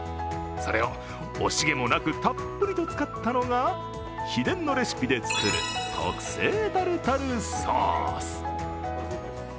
それを惜しげもなくたっぷりと使ったのが秘伝のレシピで作る特製タルタルソース。